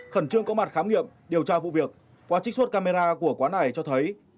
khẩn trương có mặt khám nghiệm điều tra vụ việc qua trích xuất camera của quán này cho thấy